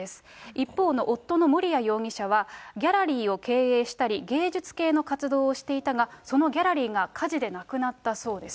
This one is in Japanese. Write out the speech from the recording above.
一方の夫の盛哉容疑者は、ギャラリーを経営したり、芸術系の活動をしていたが、そのギャラリーが火事でなくなったそうです。